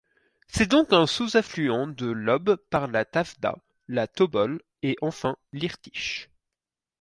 C'est donc un sous-affluent de l'Ob par la Tavda, la Tobol et enfin l'Irtych.